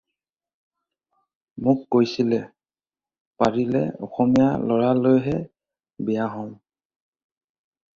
মোক কৈছিলে- "পাৰিলে অসমীয়া ল'ৰালৈহে বিয়া হ'ম।"